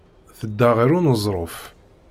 Tedda ɣer uneẓruf.